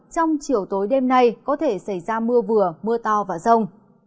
trong chiều tối đêm nay có thể xảy ra mưa vừa mưa to và rông